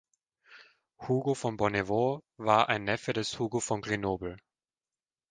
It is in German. Hugo von Bonnevaux war ein Neffe des Hugo von Grenoble.